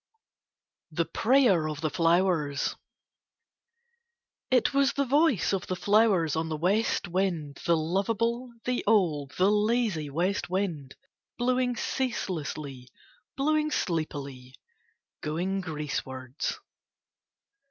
THE PRAYER OF THE FLOWERS It was the voice of the flowers on the West wind, the lovable, the old, the lazy West wind, blowing ceaselessly, blowing sleepily, going Greecewards.